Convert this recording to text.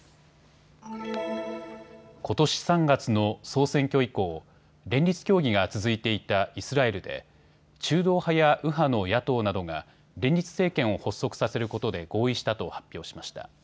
ことし３月の総選挙以降、連立協議が続いていたイスラエルで中道派や右派の野党などが連立政権を発足させることで合意したと発表しました。